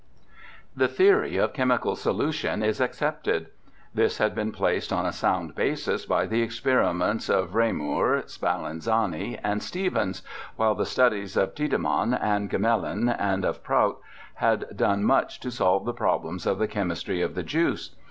The theory of chemical solution is accepted. This had been placed on a sound basis by the experiments of Reaumur, Spallanzani, and Stevens, while the studies 174 BIOGRAPHICAL ESSAYS of Tiedemann and Gmelin and of Prout had done much to solve the problems of the chemistry of the juice.